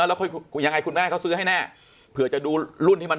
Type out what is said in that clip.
แล้วค่อยยังไงคุณแม่เขาซื้อให้แน่เผื่อจะดูรุ่นที่มัน